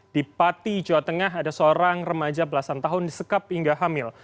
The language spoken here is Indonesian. di pati jawa tengah ada seorang remaja belasan tahun disekap hingga hamil